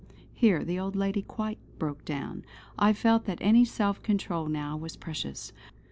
Here the old lady quite broke down. I felt that any self control now was precious.